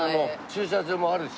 駐車場もあるし。